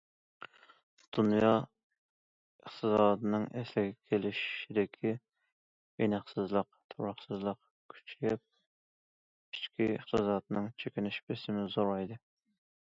دۇنيا ئىقتىسادىنىڭ ئەسلىگە كېلىشىدىكى ئېنىقسىزلىق، تۇراقسىزلىق كۈچىيىپ، ئىچكى ئىقتىسادنىڭ چېكىنىش بېسىمى زورايدى.